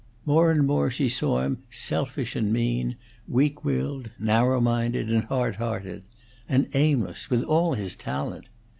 More and more she saw him selfish and mean, weak willed, narrow minded, and hard hearted; and aimless, with all his talent.